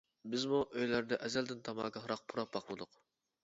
بىزمۇ ئۆيلەردە ئەزەلدىن تاماكا ھاراق پۇراپ باقمىدۇق.